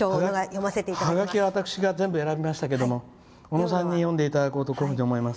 はがきは私が全部選びましたけど小野さんに読んでいただこうと思います。